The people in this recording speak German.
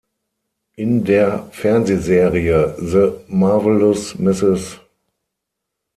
In der Fernsehserie "The Marvelous Mrs.